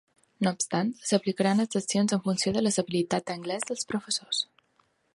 No obstant, s'aplicaran excepcions en funció de les habilitats d'anglès dels professors.